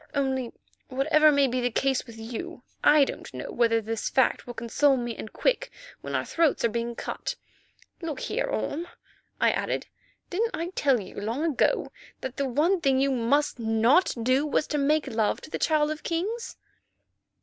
Only, whatever may be the case with you, I don't know whether this fact will console me and Quick when our throats are being cut. Look here, Orme," I added, "didn't I tell you long ago that the one thing you must not do was to make love to the Child of Kings?"